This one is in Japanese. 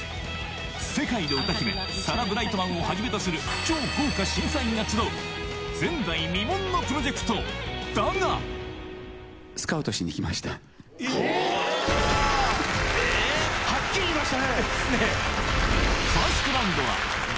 世界の歌姫サラ・ブライトマンをはじめとする超豪華審査員が集う前代未聞のプロジェクトだがスカウトしに来ました。